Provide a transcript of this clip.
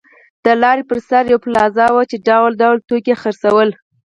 د لارې پر سر یوه پلازه وه چې ډول ډول توکي یې خرڅول.